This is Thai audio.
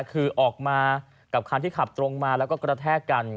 คือออกมากับคันที่ขับตรงมาแล้วก็กระแทกกัน